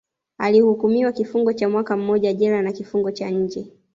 Alihukumiwa kifungo cha mwaka mmoja jela kwa kifungo cha nje